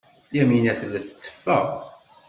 Yamina tella tetteffeɣ.